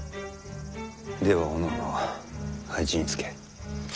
ではおのおの配置につけ。